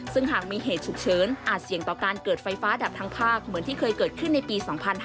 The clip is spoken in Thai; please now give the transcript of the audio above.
ซึ่งหากมีเหตุฉุกเฉินอาจเสี่ยงต่อการเกิดไฟฟ้าดับทั้งภาคเหมือนที่เคยเกิดขึ้นในปี๒๕๕๙